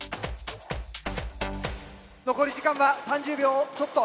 残り時間は３０秒ちょっと。